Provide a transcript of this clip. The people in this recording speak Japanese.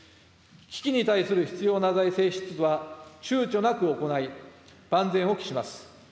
危機に対する必要な財政支出はちゅうちょなく行い、万全を期します。